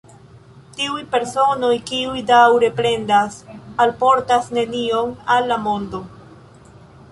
Tiuj personoj, kiuj daŭre plendas, alportas nenion al la mondo.